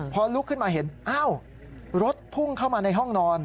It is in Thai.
พอลุกขึ้นมาเห็นอ้าวรถพุ่งเข้ามาในห้องนอน